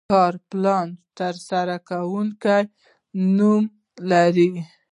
کاري پلان د ترسره کوونکي نوم لري.